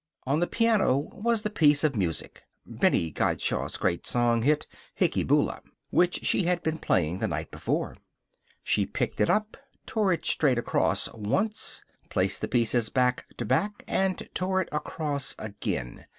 On the piano was the piece of music (Bennie Gottschalk's great song hit, "Hicky Boola") which she had been playing the night before. She picked it up, tore it straight across, once, placed the pieces back to back, and tore it across again.